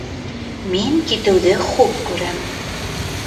Мин китеүҙе хуп күрәм.